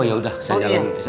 oh ya udah saya jalan dulu ya